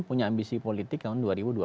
punya ambisi politik tahun dua ribu dua puluh